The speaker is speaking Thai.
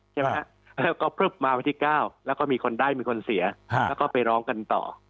ใช่ไหมฮะแล้วก็พลึบมาวันที่๙แล้วก็มีคนได้มีคนเสียแล้วก็ไปร้องกันต่อ